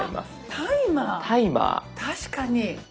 確かに。